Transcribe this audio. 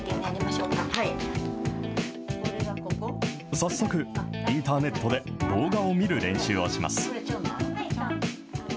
早速、インターネットで動画を見る練習をします。